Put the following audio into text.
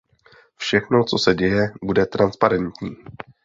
Všechno, co se děje, bude transparentní.